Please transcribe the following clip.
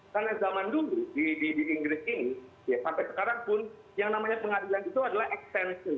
karena zaman dulu di inggris ini sampai sekarang pun yang namanya pengadilan itu adalah extension